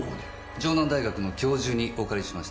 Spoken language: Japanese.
城南大学の教授にお借りしました。